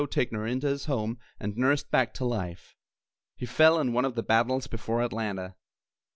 Ticknor into his home and nursed back to life. He fell in one of the battles before Atlanta.